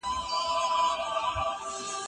ملکیار بابا د سپوږمۍ په مټ خپل سلام لېږي.